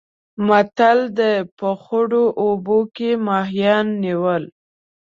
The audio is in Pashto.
متل دی: په خړو اوبو کې ماهیان نیول.